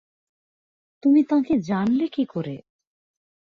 তুমি তাঁকে জানলে কী করে?